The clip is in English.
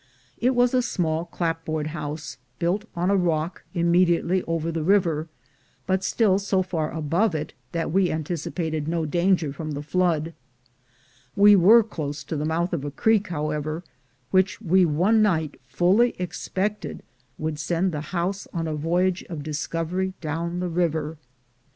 It was a small clapboard house, built on a rock immediately over the river, but still so far above it that we anticipated no danger from the flood. We were close to the mouth of a creek, how ever, which we one night fully expected would send tiie house on a voyage of discovery down the river.